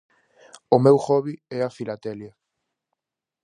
O meu hobby é a filatelia.